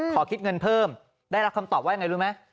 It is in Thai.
ขอคิดเงินเพิ่มได้รับคำตอบว่ายังไงรู้ไหม